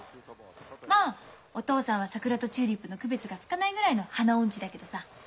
まあお父さんは桜とチューリップの区別がつかないぐらいの花音痴だけどさ。